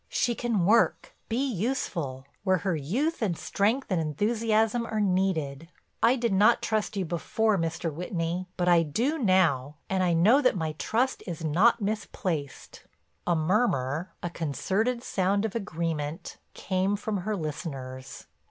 She can work, be useful, where her youth and strength and enthusiasm are needed. I did not trust you before, Mr. Whitney, but I do now and I know that my trust is not misplaced." A murmur, a concerted sound of agreement, came from her listeners.